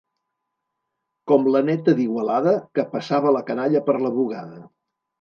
Com la Neta d'Igualada, que passava la canalla per la bugada.